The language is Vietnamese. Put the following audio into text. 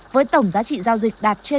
với tổng giá trị giao dịch đạt trên một ba